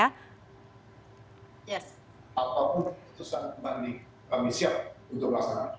apapun keputusan kembali kami siap untuk melaksanakan